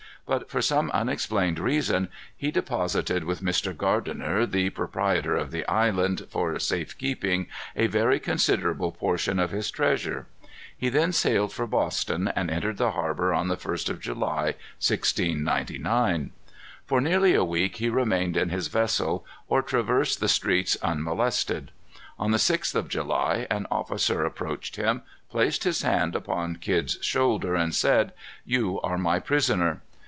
But, for some unexplained reason, he deposited with Mr. Gardiner, the proprietor of the island, for safe keeping, a very considerable portion of his treasures. He then sailed for Boston, and entered the harbor on the first of July, 1699. For nearly a week he remained in his vessel or traversed the streets unmolested. On the sixth of July, an officer approached him, placed his hand upon Kidd's shoulder, and said, "You are my prisoner."